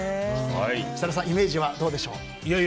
設楽さんイメージはどうでしょう？